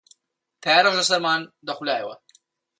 تەیارەش لە سەرمان دەخولایەوە